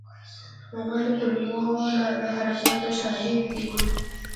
غول د کولمو د حرکاتو شاهد دی.